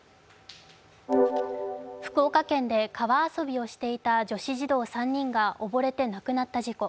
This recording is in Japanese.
福岡県で川遊びをしていた女子児童３人が溺れて亡くなった事故。